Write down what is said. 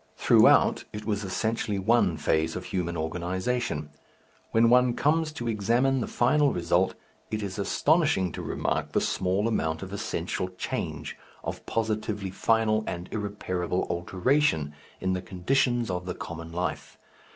Throughout it was essentially one phase of human organization. When one comes to examine the final result, it is astonishing to remark the small amount of essential change, of positively final and irreparable alteration, in the conditions of the common life.